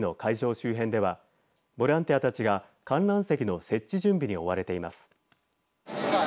周辺ではボランティアたちが観覧席の設置準備に追われています。